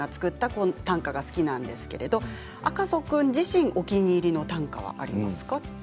あの短歌が好きなんですけれど赤楚君自身もお気に入りの短歌はありますか？